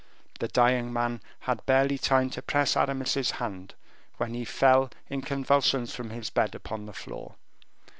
The dying man had barely time to press Aramis's hand, when he fell in convulsions from his bed upon the floor.